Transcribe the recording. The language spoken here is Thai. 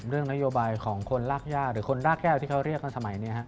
เรื่องนโยบายของคนรากย่าหรือคนรากแก้วที่เขาเรียกกันสมัยนี้